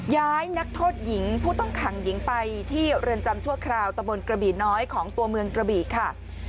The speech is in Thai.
นักโทษหญิงผู้ต้องขังหญิงไปที่เรือนจำชั่วคราวตะบนกระบี่น้อยของตัวเมืองกระบี่ค่ะ